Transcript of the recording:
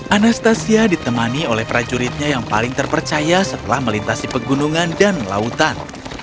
anastasia ditemani oleh prajuritnya yang paling terpercaya setelah melintasi pegunungan dan lautan